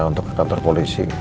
untuk ke kantor polisi